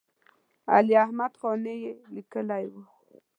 علي احمد قانع یې لیکلی و.